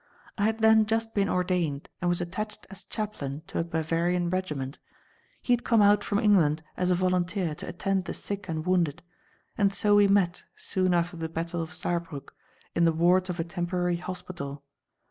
I had then just been ordained and was attached as chaplain to a Bavarian regiment; he had come out from England as a volunteer to attend the sick and wounded; and so we met, soon after the battle of Saarbrück, in the wards of a temporary hospital.